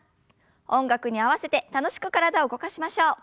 音楽に合わせて楽しく体を動かしましょう。